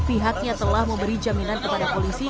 pihaknya telah memberi jaminan kepada polisi